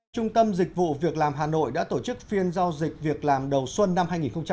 trung tâm dịch vụ việc làm hà nội đã tổ chức phiên giao dịch việc làm đầu xuân năm hai nghìn hai mươi